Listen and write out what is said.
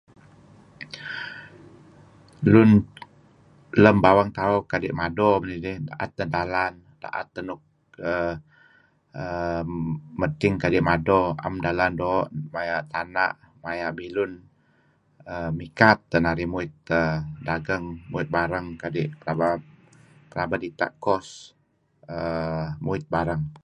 Lun lam bawang tauh kadi' madi man idih daet tah dalan daet teh nuk uhm madting kadi' mado 'am dalan doo' kadi' maya' tana' maya' bilun mikat teh narih muit dagang muit barang kadi' pelaba dita' cost uhm muit barang.